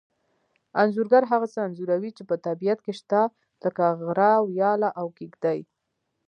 انځورګر هغه څه انځوروي چې په طبیعت کې شته لکه غره ویاله او کېږدۍ